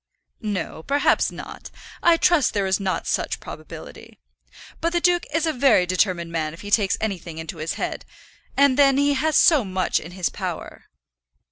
"No; perhaps not. I trust there is no such probability. But the duke is a very determined man if he takes anything into his head; and then he has so much in his power."